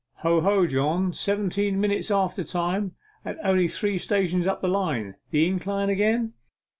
'Ho, ho, John, seventeen minutes after time and only three stations up the line. The incline again?